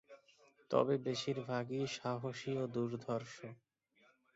তবে বেশির ভাগই সাহসী ও দুর্ধর্ষ।